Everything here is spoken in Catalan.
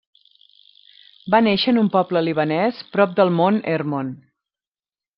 Va néixer en un poble libanès prop del Mont Hermon.